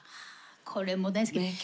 これも大好きな曲。